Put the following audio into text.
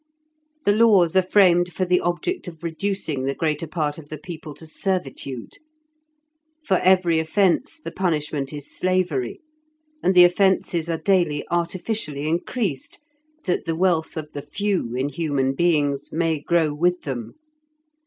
The laws are framed for the object of reducing the greater part of the people to servitude. For every offence the punishment is slavery, and the offences are daily artificially increased, that the wealth of the few in human beings may grow with them.